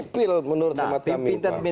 pimpinan tinggi media itu